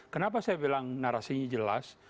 kenapa saya bilang narasinya jelas